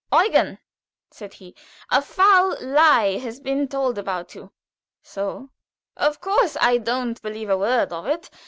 "Eugen," said he, "a foul lie has been told about you." "So!" "Of course I don't believe a word of it.